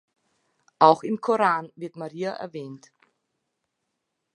Auch im Koran wird Maria erwähnt.